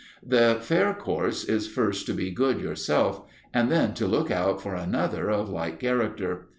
The fair course is first to be good yourself, and then to look out for another of like character.